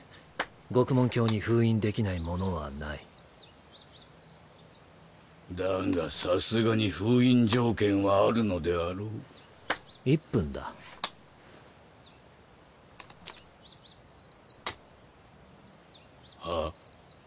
獄門疆に封印できないものはないだがさすがに封印条件はあ１分だはっ？